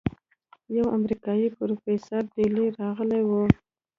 يو امريکايي پروفيسور دېلې رغلى و.